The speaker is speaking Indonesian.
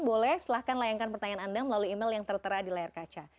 boleh silahkan layangkan pertanyaan anda melalui email yang tertera di layar kaca